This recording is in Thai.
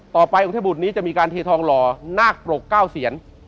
องค์เทพบุตรนี้จะมีการเททองหล่อนาคปรก๙เสียน